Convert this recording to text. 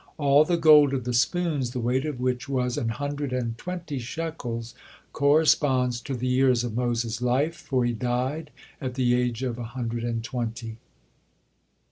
All the gold of the spoons, the weight of which was an hundred and twenty shekels, corresponds to the years of Moses' life, for he died at the age of a hundred and twenty.